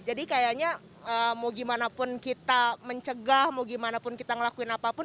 jadi kayaknya mau gimana pun kita mencegah mau gimana pun kita ngelakuin apapun